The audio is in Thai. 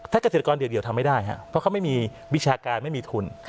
ถ้าเกษตรกรเดี่ยวทำไม่ได้ครับเพราะเขาไม่มีวิชาการไม่มีทุน